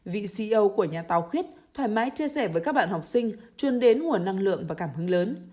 vị ceo của nhà tàu khuyết thoải mái chia sẻ với các bạn học sinh chuyên đến nguồn năng lượng và cảm hứng lớn